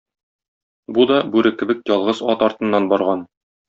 Бу да, бүре кебек, ялгыз ат артыннан барган.